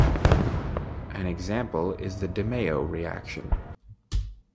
An example is the DeMayo reaction.